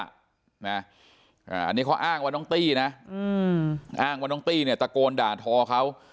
อันนี้เขาอ้างว่าน้องตี้นะอ้างว่าน้องตี้เนี่ยตะโกนด่าทอเขา